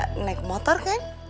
kamu udah ke motor kan